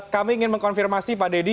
kami ingin mengkonfirmasi pak deddy